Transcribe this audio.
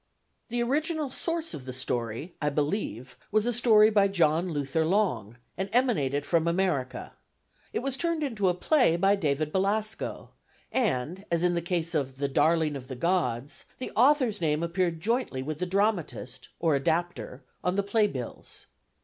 The original source of the story, I believe, was a story by John Luther Long, and emanated from America. It was turned into a play by David Belasco, and, as in the case of The Darling of the Gods, the author's name appeared jointly with the dramatist, or adaptor, on the play bills.